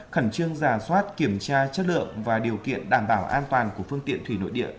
khẩn trương giả soát kiểm tra chất lượng và điều kiện đảm bảo an toàn của phương tiện thủy nội địa